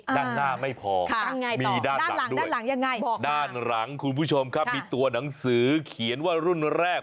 ด้านหน้าไม่พอมีด้านหลังด้วยด้านหลังคุณผู้ชมครับมีตัวหนังสือเขียนว่ารุ่นแรก